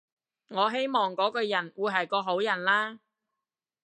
我希望嗰個人會係個好人啦